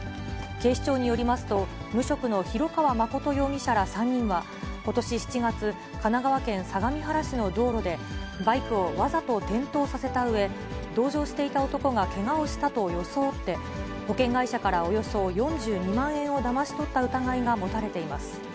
警視庁によりますと、無職の広川誠容疑者ら３人は、ことし７月、神奈川県相模原市の道路で、バイクをわざと転倒させたうえ、同乗していた男がけがをしたと装って、保険会社からおよそ４２万円をだまし取った疑いが持たれています。